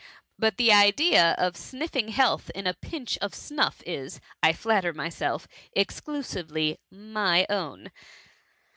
But the idea of sniffing health in a pinch of snuff is, I flatter myself, exclusively my own."